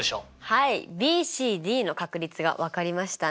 はいＢＣＤの確率が分かりましたね。